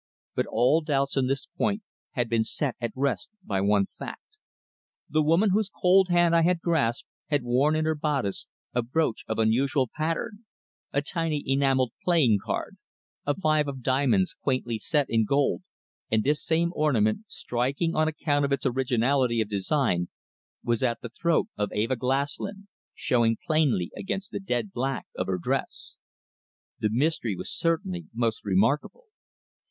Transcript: But all doubts on this point had been set at rest by one fact. The woman whose cold hand I had grasped had worn in her bodice a brooch of unusual pattern a tiny enamelled playing card, a five of diamonds quaintly set in gold and this same ornament, striking on account of its originality of design, was at the throat of Eva Glaslyn, showing plainly against the dead black of her dress. The mystery was certainly most remarkable.